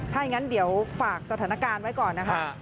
ถ้าอย่างนั้นเดี๋ยวฝากสถานการณ์ไว้ก่อนนะคะ